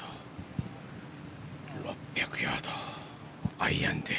６００ヤードをアイアンで。